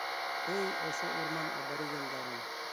Эй, ошо урман аборигендарын.